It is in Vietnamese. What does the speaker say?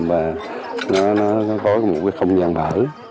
và nó có một cái không gian thở